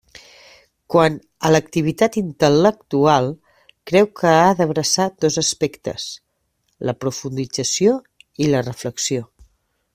Quant a l'activitat intel·lectual, creu que ha d'abraçar dos aspectes: la profundització i la reflexió.